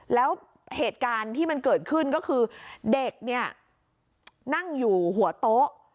แล้วเหตุการณ์ที่มันเกิดขึ้นก็คือเด็กเนี่ยนั่งอยู่หัวโต๊ะ